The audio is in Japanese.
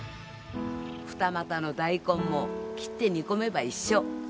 二股の大根も切って煮込めば一緒。